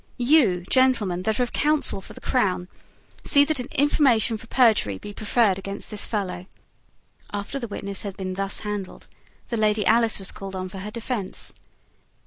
You, gentlemen, that are of counsel for the crown, see that an information for perjury be preferred against this fellow." After the witnesses had been thus handled, the Lady Alice was called on for her defence.